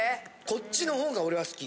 こっちのほうが俺は好き。